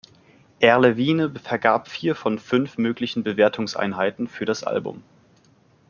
Erlewine vergab vier von fünf möglichen Bewertungseinheiten für das Album.